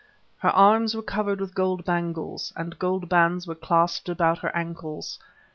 Her arms were covered with gold bangles, and gold bands were clasped about her ankles.